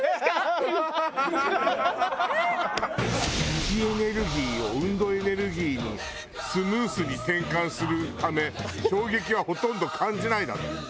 「位置エネルギーを運動エネルギーにスムーズに転換するため衝撃はほとんど感じない」だって。